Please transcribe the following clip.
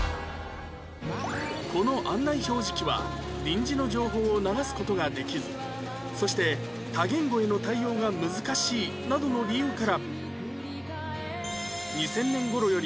この案内表示機は臨時の情報を流す事ができずそして多言語への対応が難しいなどの理由から